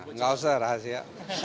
enggak usah rahasia